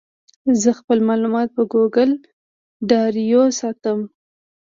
زه خپل معلومات په ګوګل ډرایو ساتم.